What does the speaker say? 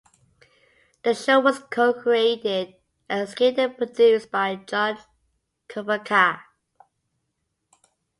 The show was co-created and executive produced by John Cervenka.